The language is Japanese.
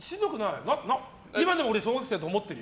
今でも小学生って思ってるよ